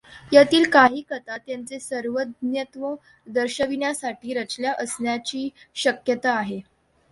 यांतील काही कथा त्यांचे सर्वज्ञत्व दर्शविण्यासाठी रचल्या असण्याची शक्यता आहे.